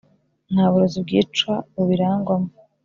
nta burozi bwica bubirangwamo,